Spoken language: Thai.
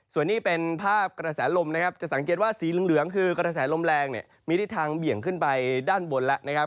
ส่วนนี้เป็นภาพกระแสลมนะครับจะสังเกตว่าสีเหลืองคือกระแสลมแรงเนี่ยมีที่ทางเบี่ยงขึ้นไปด้านบนแล้วนะครับ